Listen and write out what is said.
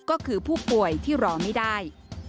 ก็คือผู้ป่วยที่รอไม่ได้